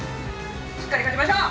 しっかり勝ちましょう！